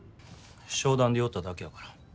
商談で寄っただけやから。